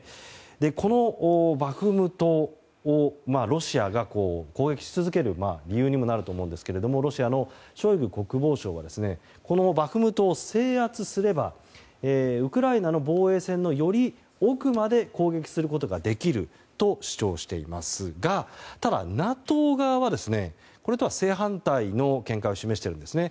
このバフムトをロシアが攻撃し続ける理由にもなると思うんですがロシアのショイグ国防相はこのバフムトを制圧すればウクライナの防衛線のより奥まで攻撃することができると主張していますがただ、ＮＡＴＯ側はこれとは正反対の見解を示しているんですね。